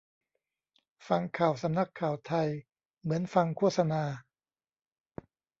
ฟังข่าวสำนักข่าวไทย เหมือนฟังโฆษณา